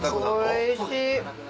おいしい！